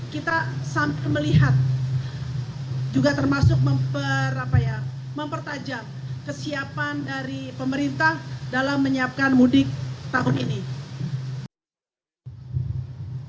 kita sampai melihat juga termasuk mempertajam kesiapan dari pemerintah dalam menyiapkan mudik tahun ini